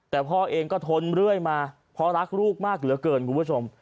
แต่พ่อเองก็ทนเรื่อยมาเพราะรักลูกมากเหลือเกินคุณผู้ชม